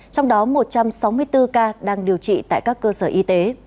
trong đó một trăm sáu mươi bốn ca đang điều trị tại các cơ sở y tế